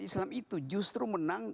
islam itu justru menang